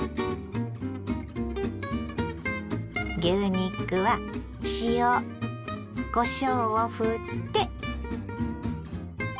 牛肉は塩こしょうをふって。